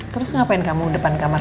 terus ngapain kamu depan kamar